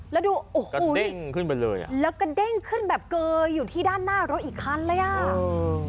แล้วดูโอ้โหเด้งขึ้นไปเลยอ่ะแล้วก็เด้งขึ้นแบบเกยอยู่ที่ด้านหน้ารถอีกคันเลยอ่ะ